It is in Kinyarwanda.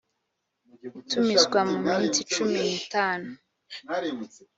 itumizwa mu minsi cumi n itanu